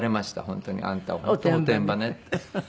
本当に「あんたおてんばね」って。